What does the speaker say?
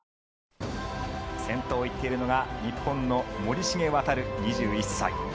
先頭を行っているのが、日本の森重航２１歳。